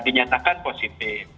ya dinyatakan positif